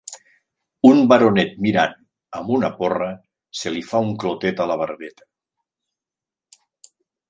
Un baronet mirant, amb una porra, se li fa un clotet a la barbeta.